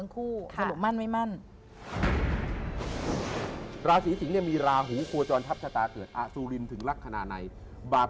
ผ่านพ้นเรียบร้อยแล้วครับเรียบร้อยแล้ว